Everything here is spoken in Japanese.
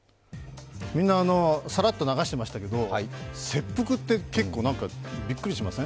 みんな、さらっと流してましたけど、切腹って、結構、何かびっくりしません？